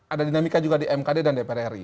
ada dinamika juga di mkd dan dpr ri